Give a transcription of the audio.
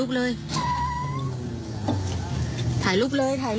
นี่เป็นคลิปวีดีโอจากคุณบอดี้บอยสว่างอร่อย